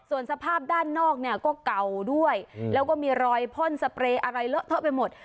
ส่วนสภาพด้านนอกเนี่ยก็เก่าด้วยแล้วก็มีรอยพ่นสเปรย์อะไรเลอะเทอะไปหมด